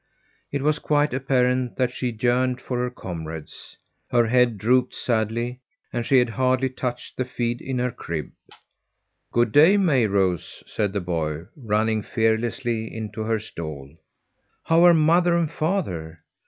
It was quite apparent that she yearned for her comrades. Her head drooped sadly, and she had hardly touched the feed in her crib. "Good day, Mayrose!" said the boy, running fearlessly into her stall. "How are mother and father?